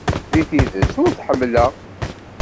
Deg tidet, ur t-ḥemmleɣ.